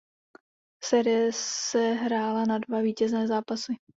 Série se hrála na dva vítězné zápasy.